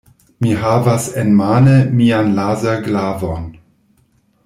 Mi havas enmane mian laserglavon.